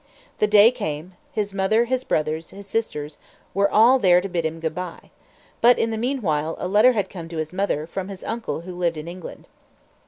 The day came. His mother, his brothers, his sisters, were all there to bid him good bye. But in the meanwhile a letter had come to his mother, from his uncle who lived in England.